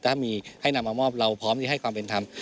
ถ้ามีให้นำมามอบเราพร้อมที่ให้ความเป็นธรรม